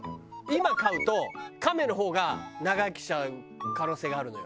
今飼うとカメの方が長生きしちゃう可能性があるのよ。